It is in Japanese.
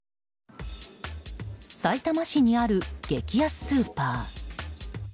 さいたま市にある激安スーパー。